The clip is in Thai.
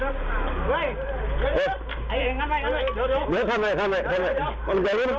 ไอ้ไอ้งั้นด้วย